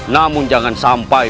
namun jangan sampai